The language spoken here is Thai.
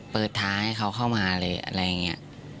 เปิดท้ายให้เขาเข้ามาเลยอะไรอย่างนี้